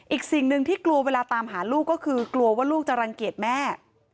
อีกสิ่งหนึ่งที่กลัวเวลาตามหาลูกก็คือกลัวว่าลูกจะรังเกียจแม่